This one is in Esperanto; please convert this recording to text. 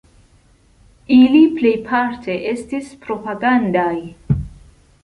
Ili plejparte estis propagandaj.